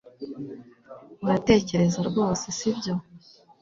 Uratekereza rwose sibyo